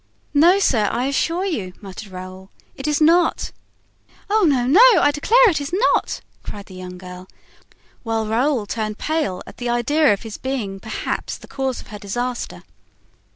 "No, sir, I assure you," muttered Raoul, "it is not." "Oh, no, no, I declare it is not!" cried the young girl, while Raoul turned pale at the idea of his being perhaps the cause of her disaster.